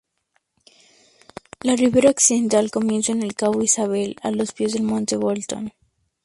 La ribera occidental comienza en el cabo Isabelle, a los pies del monte Bolton.